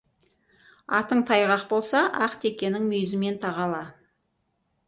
Атың тайғақ болса, ақ текенің мүйізімен тағала.